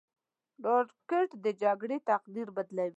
راکټ د جګړې تقدیر بدلوي